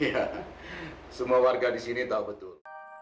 ya semua warga di sini tahu betul